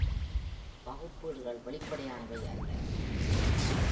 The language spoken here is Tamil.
வகுப்பீடுகள் வெளிப்படையானவை அல்ல.